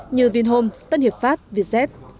như vinhome tân hiệp pháp vietjet